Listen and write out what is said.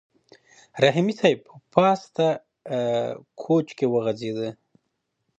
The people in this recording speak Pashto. رحیمي صیب په پاسته کوچ کې وغځېد.